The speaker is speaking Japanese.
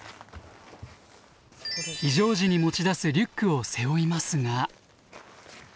非常時に持ち出すリュックを背負いますが。